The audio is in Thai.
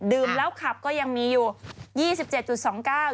แล้วขับก็ยังมีอยู่๒๗๒๙บาท